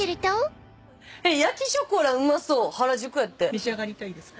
召し上がりたいですか？